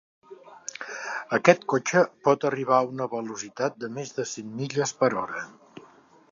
Aquest cotxe pot arribar a una velocitat de més de cent milles per hora.